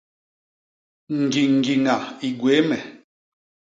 Ñgiñgiña i gwéé me.